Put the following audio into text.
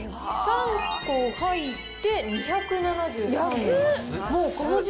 ３個入って２７３円。